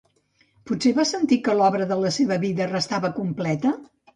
Potser va sentir que l'obra de la seva vida restava completa?